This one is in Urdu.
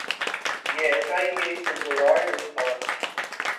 یہ ایسا ہی ایک خوشگوار دن تھا۔